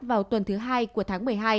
vào tuần thứ hai của tháng một mươi hai